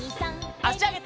あしあげて。